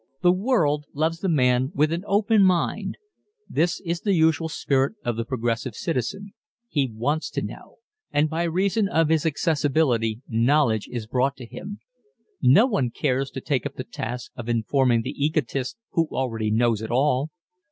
The world loves the man with an open mind. This is the usual spirit of the progressive citizen. He wants to know and by reason of his accessibility knowledge is brought to him. No one cares to take up the task of informing the egotist who already knows it all.